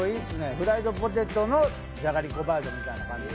フライドポテトのじゃがりこバージョンみたいな感じで。